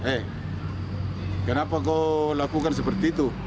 eh kenapa kau lakukan seperti itu